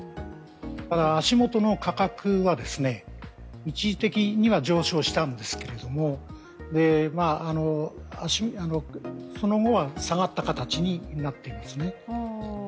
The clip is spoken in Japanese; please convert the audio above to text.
ただ、足元の価格は一時的には上昇したんですけれどもその後は下がった形になっていますね。